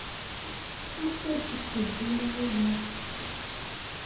Maɣef ay tetteg dima aya?